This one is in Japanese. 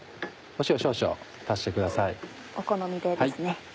お好みでですね。